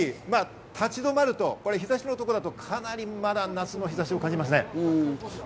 ただし、立ち止まると日差しのところだと、かなりまた夏の日差しを感じます。